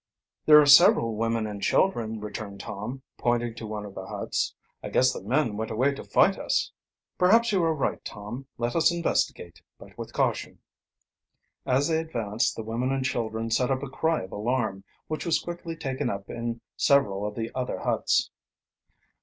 "There are several women and children," returned Tom, pointing to one of the huts. "I guess the men went away to fight us." "Probably you are right, Tom. Let us investigate, but with caution." As they advanced, the women and children set up a cry of alarm, which was quickly taken up in several of the other huts.